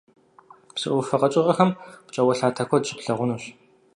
Псы Ӏуфэ къэкӀыгъэхэм пкӀауэлъатэ куэд щыплъагъунущ.